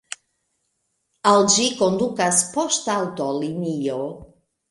Al ĝi kondukas poŝtaŭtolinio.